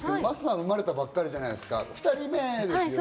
生まれたばかりじゃないですか、今回２人目。